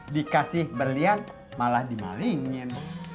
dikasih berlian malah dimalingin